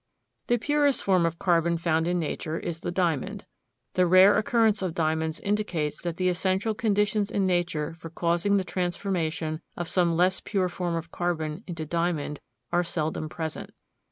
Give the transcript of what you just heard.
The purest form of carbon found in nature is the diamond. The rare occurrence of diamonds indicates that the essential conditions in nature for causing the transformation of some less pure form of carbon into diamond are seldom present.